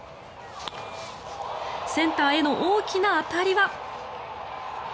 センターへの大きな当たりは。